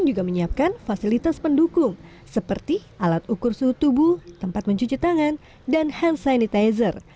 juga menyiapkan fasilitas pendukung seperti alat ukur suhu tubuh tempat mencuci tangan dan hand sanitizer